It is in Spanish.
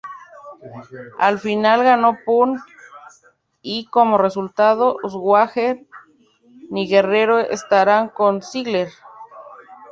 Al final ganó Punk, y como resultado, Swagger ni Guerrero estarán con Ziggler.